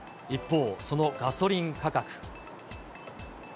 一方、そのガソリン価格。